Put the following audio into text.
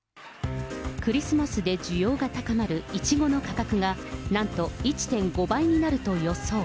クリスマスで需要が高まるイチゴの価格が、なんと１．５倍になると予想。